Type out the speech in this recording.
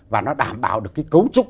và nó đảm bảo được cái cấu trúc